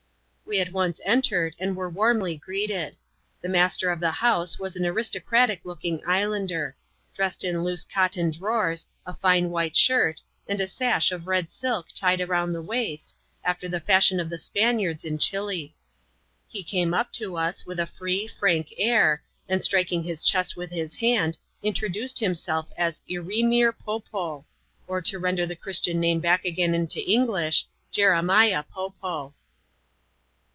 We at once entered, and were warmly greeted. The master of the house was an aristocratic loddng islander ; dressed in loose Hnen drawers, a fine white shirty and a sash of red a3k tied about the waist, after the fashion of the Spaniards in ChilL He came up to us with a free, frank air, and, striking his chest with his hand, introduced himself as Ereeniear Po Po ; car to render the Christian name back again into English — Jeremiah Po Po.